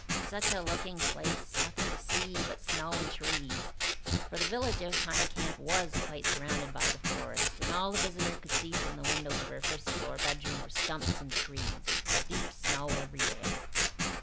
"Such a looking place! Nothing to see but snow and trees," for the village of Pine Camp was quite surrounded by the forest and all the visitor could see from the windows of her first floor bedroom were stumps and trees, with deep snow everywhere.